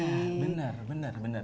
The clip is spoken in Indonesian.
iya benar benar benar